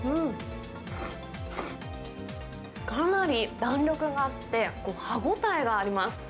かなり弾力があって、歯応えがあります。